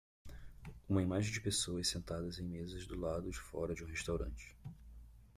Uma imagem de pessoas sentadas em mesas do lado de fora de um restaurante.